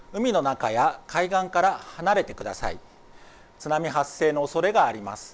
津波発生のおそれがあります。